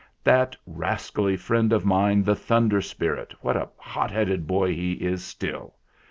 "That rascally friend of mine, the Thunder Spirit what a hot headed boy he is still